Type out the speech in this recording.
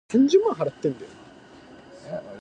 教科書には載っていない